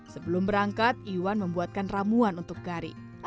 sebelum berangkat iwan membuatkan ramuan untuk gari